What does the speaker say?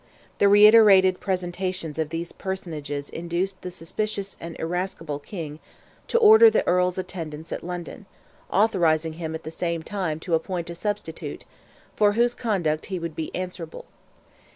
The reiterated representations of these personages induced the suspicious and irascible King to order the Earl's attendance at London, authorizing him at the same time to appoint a substitute, for whose conduct he would be answerable.